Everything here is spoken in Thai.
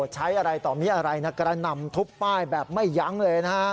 ใช้อะไรต่อเมียอะไรการนำทุบป้ายแบบไม่ยั้งเลย